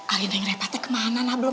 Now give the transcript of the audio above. agan yang ngerepate kemana